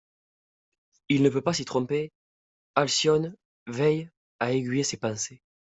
Il ne peut pas s’y tromper: Alcyone veille à aiguiller ses pensées.